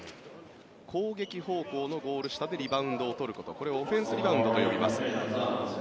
攻撃方向のゴール下でリバウンドを取ることこれをオフェンスリバウンドと呼びます。